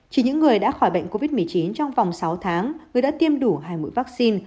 chỉ những người đã khỏi bệnh covid một mươi chín trong vòng sáu tháng người đã tiêm đủ hai mũi vaccine